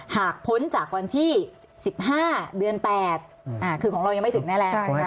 พ้นจากวันที่๑๕เดือน๘คือของเรายังไม่ถึงแน่แล้ว